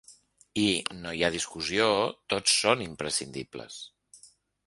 I, no hi ha discussió, tots són imprescindibles.